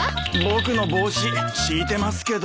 僕の帽子敷いてますけど。